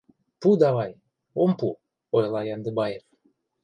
— Пу давай!» «Ом пу!» — ойла Яндыбаев.